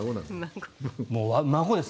もう孫です。